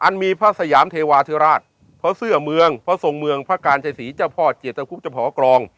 มีพระสยามเทวาธิราชพระเสื้อเมืองพระทรงเมืองพระการชัยศรีเจ้าพ่อเจตคุบเจ้าพอกรอง